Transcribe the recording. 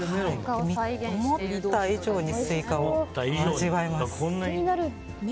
思った以上にスイカを味わえます。